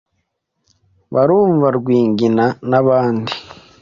Barumva Rwingina n'abandi